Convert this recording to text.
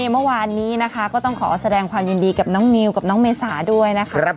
เมื่อวานนี้นะคะก็ต้องขอแสดงความยินดีกับน้องนิวกับน้องเมษาด้วยนะคะ